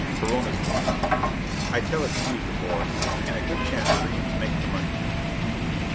Perona's voice: "I tell it to you. De Boer ... and a good chance for you to make the money."